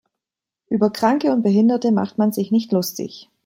Über Kranke und Behinderte macht man sich nicht lustig.